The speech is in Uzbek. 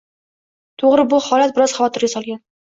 To'g'ri, bu holat biroz xavotirga solgan